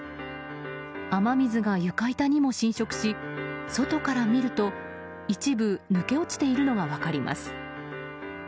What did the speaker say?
雨水が床板にも浸食し外から見ると一部抜け落ちているのが分かります。